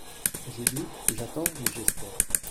Je doute, j'attends, mais j'espère.